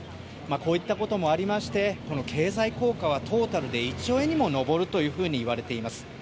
こういったこともありまして経済効果はトータルで１兆円にも上るといわれています。